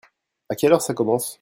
À quelle heure ça commence ?